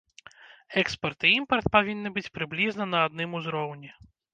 Экспарт і імпарт павінны быць прыблізна на адным узроўні.